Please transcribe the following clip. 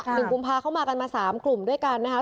หนึ่งกลุ่มพาเข้ามากันมา๓กลุ่มด้วยกันนะคะ